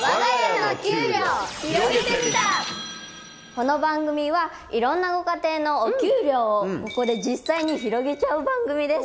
この番組はいろんなご家庭のお給料をここで実際に広げちゃう番組です。